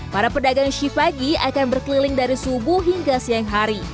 para pedagang shift pagi akan berkeliling dari subuh hingga siang hari